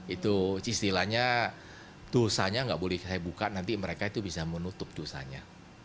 itu istilahnya dosanya nggak boleh saya buka nanti mereka itu bisa menutup dosanya